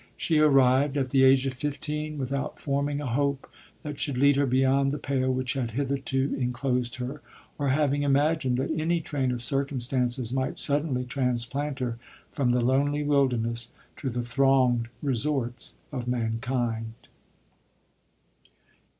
She arrived . i LODORE. at the age of fifteen without forming a hope that should lead her beyond the pale which had hitherto enclosed her, or having imagined that any train of circumstances might sudden h transplant her from the lonely wilderness ti the thronged resorts of mankind.